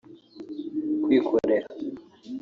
kwikorera